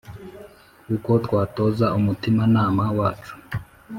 uko twatoza umutimanama wacu